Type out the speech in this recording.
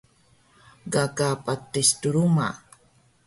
Gaga patis truma